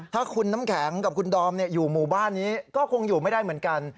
ถ้าคุณน้ำแข็งกับคุณดอมอยู่หมู่บ้านนี้ก็คงอยู่ไม่ได้เหมือนกัน